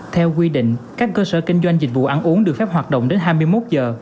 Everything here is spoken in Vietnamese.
theo quy định các cơ sở kinh doanh dịch vụ ăn uống được phép hoạt động đến hai mươi một giờ